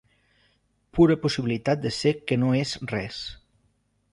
Pura possibilitat de ser que no és res.